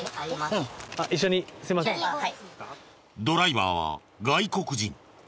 ドライバーは外国人。